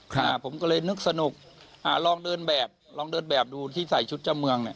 อ่าผมก็เลยนึกสนุกอ่าลองเดินแบบลองเดินแบบดูที่ใส่ชุดเจ้าเมืองเนี้ย